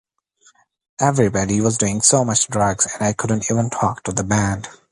Everybody was doing so much drugs and I couldn't even talk to the band.